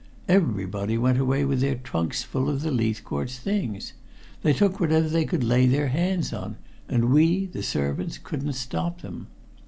Everybody went away with their trunks full of the Leithcourt's things. They took whatever they could lay their hands on, and we, the servants, couldn't stop them.